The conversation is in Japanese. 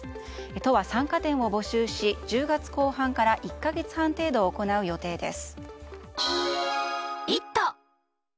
都は参加店を募集し１０月後半から１か月半程度行う予定です。